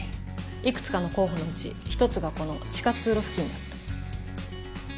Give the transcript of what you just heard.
いくつかの候補のうち１つがこの地下通路付近だった。